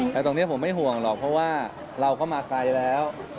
แต่ตรงนี้ผมไม่ห่วงหรอกเพราะว่าเราก็มาไกลแล้ว